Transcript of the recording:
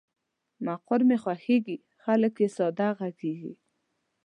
مقر مې خوښېږي، خلګ یې ساده غږیږي.